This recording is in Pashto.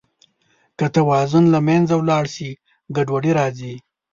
که توازن له منځه ولاړ شي، ګډوډي راځي.